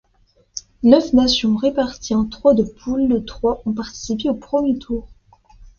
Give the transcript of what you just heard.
Neuf nations réparties en trois de poules de trois ont participé au premier tour.